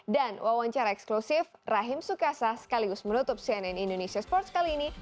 dan wawancara eksklusif rahim sukasa sekaligus menutup cnn indonesia sports kali ini